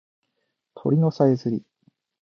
鳥のさえずり